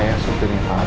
saya supirnya adi